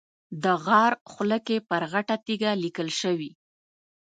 د غار خوله کې پر غټه تیږه لیکل شوي.